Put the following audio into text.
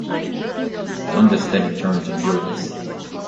Dundas then returned to "Euryalus".